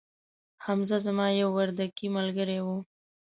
حمزه زما یو وردکې ملګري وو